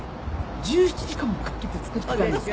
１７時間もかけて作られたんですか？